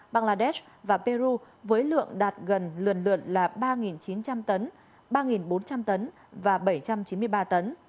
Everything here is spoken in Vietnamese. bangladesh và peru với lượng đạt gần lần lượt là ba chín trăm linh tấn ba bốn trăm linh tấn và bảy trăm chín mươi ba tấn